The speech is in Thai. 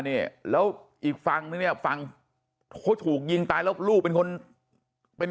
เนี่ยแล้วอีกฝั่งนึงเนี่ยฟังเขาถูกยิงตายแล้วลูกเป็นคนเป็น